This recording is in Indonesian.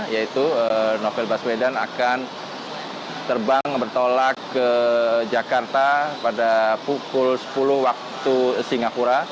yaitu novel baswedan akan terbang bertolak ke jakarta pada pukul sepuluh waktu singapura